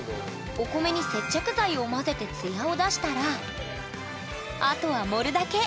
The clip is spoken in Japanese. お米に接着剤を混ぜて艶を出したらあとは盛るだけ！